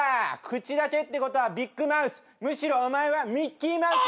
口だけってことはビッグマウスむしろお前はミッキーマウス。